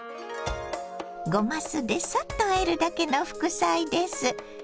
ごま酢でサッとあえるだけの副菜です。